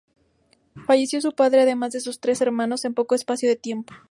Falleció su padre, además de sus tres hermanos en poco espacio de tiempo.